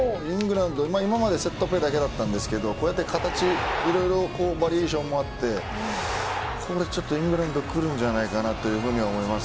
今までセットプレーだけだったんですがこうやっていろいろなバリエーションもあってイングランドが来るんじゃないかと思います。